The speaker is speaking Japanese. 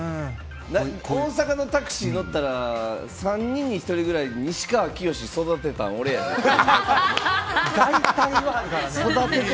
大阪のタクシー乗ったら３人に１人くらい、西川きよしを育てたんは俺やって言ってる。